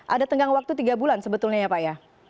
ada tenggang waktu tiga bulan sebetulnya ya pak ya